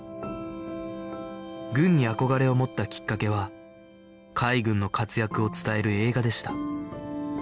軍に憧れを持ったきっかけは海軍の活躍を伝える映画でした